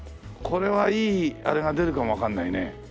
これはいいあれが出るかもわかんないね。